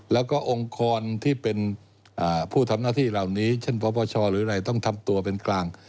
แล้วก็องค์กรที่เป็นผู้ทำหน้าที่เหล่านี้เช่นปปชหรืออะไรต้องทำตัวเป็นกลาง